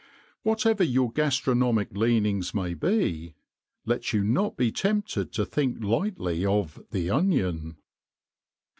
Whatever your gastronomic leanings may be, let you not be tempted to think lightly of the Onion.